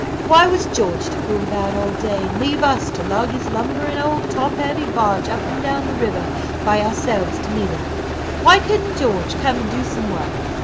Why was George to fool about all day, and leave us to lug this lumbering old top heavy barge up and down the river by ourselves to meet him? Why couldn't George come and do some work?